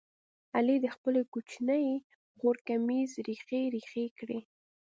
علي د خپلې کوچنۍ خور کمیس ریخې ریخې کړ.